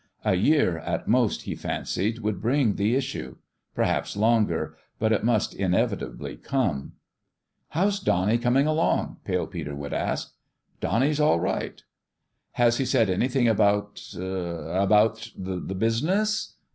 A year, at most, he fancied, would bring the issue. Perhaps longer ; but it must inevitably come. "How's Donnie coming along?" Pale Peter would ask. " Bonnie's all right." " Has he said anything about about the business?"